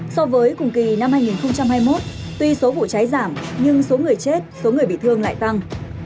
so với cùng kỳ năm hai nghìn hai mươi một tuy số vụ cháy giảm nhưng số người chết số người bị thương lại tăng